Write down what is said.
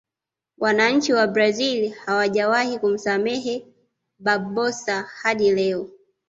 wananchi wa brazil hawajawahi kumsamehe barbosa hadi leo